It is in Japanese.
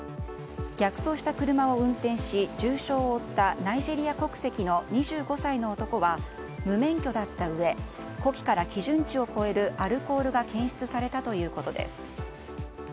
逆走した車を運転し重傷を負ったナイジェリア国籍の２５歳の男は無免許だったうえ呼気から基準値を超えるアルコールが検出されたということです。